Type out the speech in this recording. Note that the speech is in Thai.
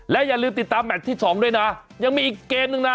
และอย่าลืมติดตามแมทที่๒ด้วยนะยังมีอีกเกมนึงนะ